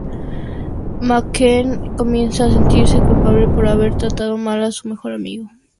McQueen comienza a sentirse culpable por haber tratado mal a su mejor amigo.